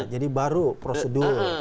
jadi baru prosedur